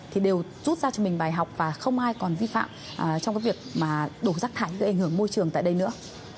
thì đều rút ra cho mình bài học và không ai còn vi phạm trong cái việc mà đổ rác thải gây ảnh hưởng môi trường tại đây nữa